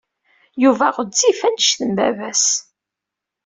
Yuba ɣezzif anect n baba-s.